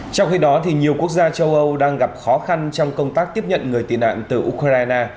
trong khi đó nhiều quốc gia châu âu đang gặp khó khăn trong công tác tiếp nhận người tị nạn từ ukraine